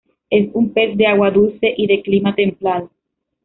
Es un pez de agua dulce y de clima templado.